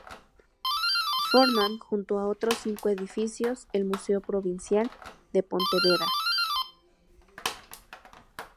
Forman junto a otros cinco edificios el Museo Provincial de Pontevedra.